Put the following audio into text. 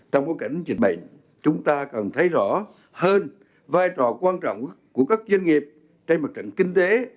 trong bối cảnh dịch bệnh chúng ta cần thấy rõ hơn vai trò quan trọng của các doanh nghiệp trên mặt trận kinh tế